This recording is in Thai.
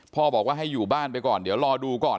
บอกว่าให้อยู่บ้านไปก่อนเดี๋ยวรอดูก่อน